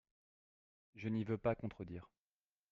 Je n'y veux pas contredire.